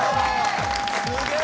すげえ！